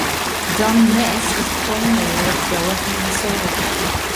Don Ness is the former mayor of Duluth, Minnesota.